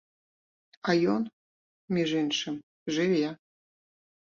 А ён, між іншым, жыве.